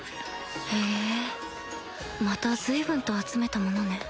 へぇまた随分と集めたものね